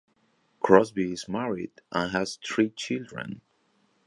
Crosbie is married and has three children.